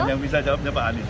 yang bisa jawabnya pak anies